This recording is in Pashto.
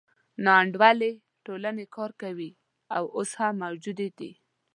ناانډولې ټولنې کار کوي او اوس هم موجودې دي.